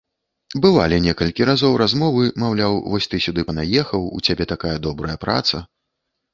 Бывалі некалькі разоў размовы, маўляў, вось ты сюды панаехаў, у цябе такая добрая праца.